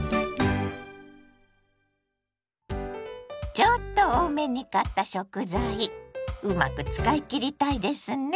ちょっと多めに買った食材うまく使い切りたいですね。